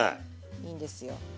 いいんですよ。